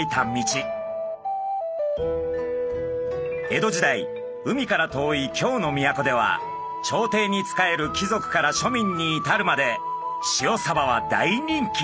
江戸時代海から遠い京の都では朝廷に仕える貴族から庶民に至るまで塩サバは大人気！